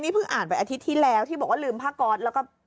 นี่เพิ่งอ่านไปอาทิตย์ที่แล้วที่บอกว่าลืมภาคก๊อตก็